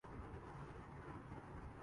دیر آید درست آید۔